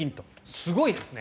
すごいですね。